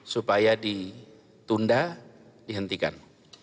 supaya ditunda dihentikan